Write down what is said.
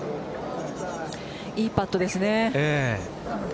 いいパットですね。